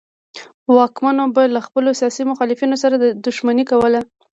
واکمنو به له خپلو سیاسي مخالفینو سره دښمني کوله.